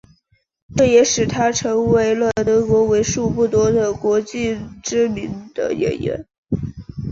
这也使他成为了德国为数不多的国际知名的演员。